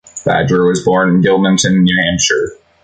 Badger was born in Gilmanton, New Hampshire.